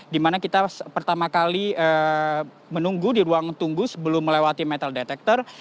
dimana kita pertama kali menunggu di ruang tunggu sebelum melewati metal detector